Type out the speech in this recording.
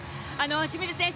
清水選手